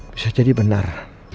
bisa jadi bener